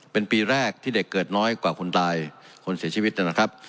เป็นปีแรกที่เด็กเกิดน้อยกว่าคนตายคนเสียชีวิตนะครับ